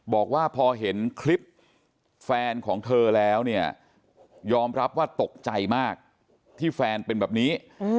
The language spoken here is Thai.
บอกว่าพอเห็นคลิปแฟนของเธอแล้วเนี่ยยอมรับว่าตกใจมากที่แฟนเป็นแบบนี้